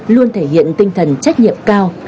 luôn thể hiện tinh thần trách nhiệm cao